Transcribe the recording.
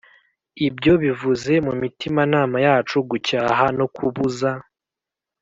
ibyo bivuze mumitimanama yacu, gucyaha no kubuza.